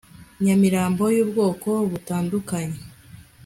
Nyamirambo yubwoko butandukanye